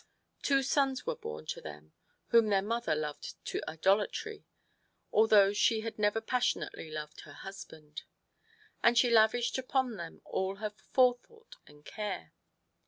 Two sons were born to them, whom their mother loved to idolatry, although she had never passionately loved her husband ; and she lavished upon them all her forethought and care.